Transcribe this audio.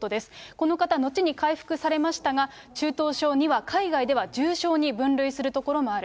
この方、後に回復されましたが、中等症２は海外では重症に分類するところもある。